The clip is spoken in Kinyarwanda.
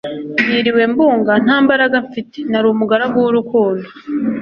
niriwe mbunga nta mbaraga mfite ,nari umugaragu cwurukundo